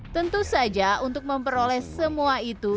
tentu saja untuk memperoleh semua itu